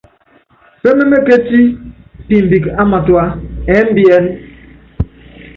Pémémékéti pimbɛk á matua ɛ́mbiɛ́n.